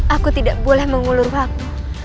aku tidak boleh mengulur waktu